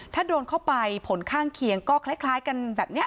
ถ้าโดนเข้าไปผลข้างเคียงก็คล้ายกันแบบนี้